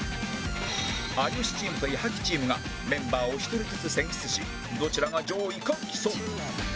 有吉チームと矢作チームがメンバーを１人ずつ選出しどちらが上位か競う